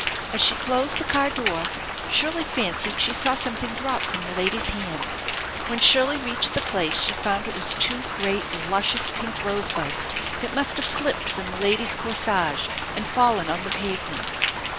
As she closed the car door, Shirley fancied she saw something drop from the lady's hand. When Shirley reached the place she found it waa two great, luscious pink rosebuds that must have slipped from the lady's corsage and fallen on the pavement.